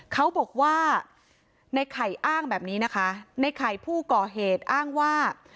เขาบอกว่าในไข่อ้างแบบนี้นะคะในไข่ผู้ก่อเหตุอ้างว่า